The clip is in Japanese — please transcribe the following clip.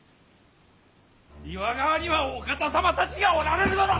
今川にはお方様たちがおられるのだぞ！